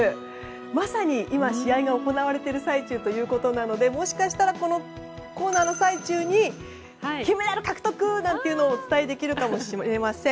まさに今、試合が行われている最中ということなのでもしかしたら、コーナーの最中に金メダル獲得なんていうのもお伝えできるかもしれません。